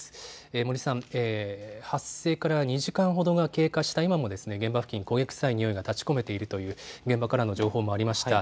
森さん、発生から２時間ほどが経過した今も現場付近、焦げ臭いにおいが立ちこめているという現場からの情報もありました。